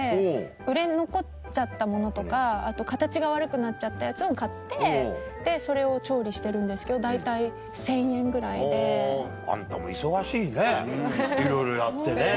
売れ残っちゃったものとかあと形が悪くなっちゃったやつを買ってそれを調理してるんですけど大体１０００円ぐらいで。あんたも忙しいねいろいろやってね。